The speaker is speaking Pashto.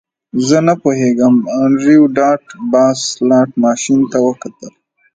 زه نه پوهیږم انډریو ډاټ باس سلاټ ماشین ته وکتل